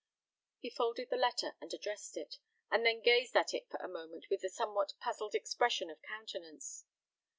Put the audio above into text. He folded the letter, and addressed it, and then gazed at it for a moment with a somewhat puzzled expression of countenance.